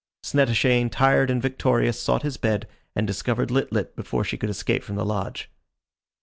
Snettishane, tired and victorious, sought his bed, and discovered Lit lit before she could escape from the lodge.